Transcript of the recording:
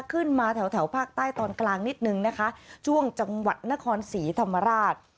ขึ้นมาแถวแถวภาคใต้ตอนกลางนิดนึงนะคะช่วงจังหวัดนครศรีธรรมราช